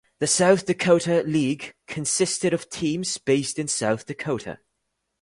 The South Dakota League consisted of teams based in South Dakota.